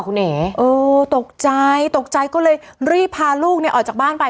คุณเอ๋ตกใจตกใจก็เลยรีบพาลูกเนี่ยออกจากบ้านไป